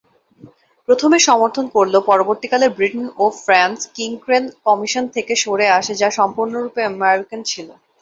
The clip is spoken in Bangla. প্রথমে সমর্থন করলেও পরবর্তীকালে ব্রিটেন ও ফ্রান্স কিং-ক্রেন কমিশন থেকে সরে আসে যা সম্পূর্ণরূপে আমেরিকান ছিল।